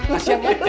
kasian ya doi ya